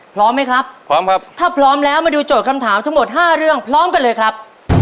พร้อมไหมครับพร้อมครับถ้าพร้อมแล้วมาดูโจทย์คำถามทั้งหมดห้าเรื่องพร้อมกันเลยครับ